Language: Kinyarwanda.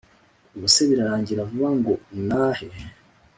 Ubuse birarangira vuba ngo nahe